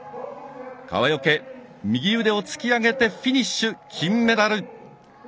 川除、右腕を突き上げてフィニッシュ、金メダル！